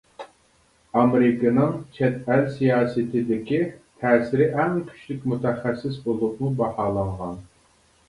ئامېرىكىنىڭ چەت ئەل سىياسىتىدىكى تەسىرى ئەڭ كۈچلۈك مۇتەخەسسىس بولۇپمۇ باھالانغان.